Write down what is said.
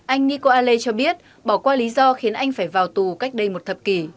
anh niko ale cho biết bỏ qua lý do khiến anh phải vào tù cách đây một thập kỷ